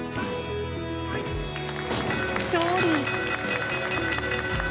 勝利！